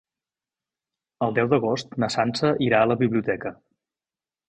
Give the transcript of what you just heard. El deu d'agost na Sança irà a la biblioteca.